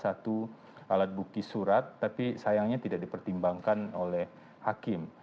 sehingga itu kami ajukan sebagai salah satu alat buki surat tapi sayangnya tidak dipertimbangkan oleh hakim